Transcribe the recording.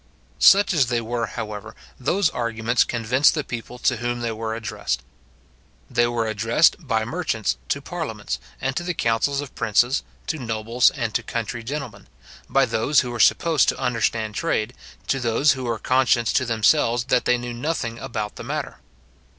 Such as they were, however, those arguments convinced the people to whom they were addressed. They were addressed by merchants to parliaments and to the councils of princes, to nobles, and to country gentlemen; by those who were supposed to understand trade, to those who were conscious to them selves that they knew nothing about the matter.